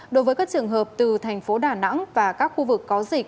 đối với các trường hợp từ thành phố đà nẵng và các khu vực có dịch